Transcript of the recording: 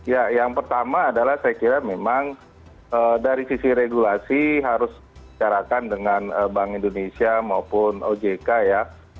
ya yang pertama adalah saya kira memang dari sisi regulasi harus bicarakan dengan bank indonesia maupun ojk ya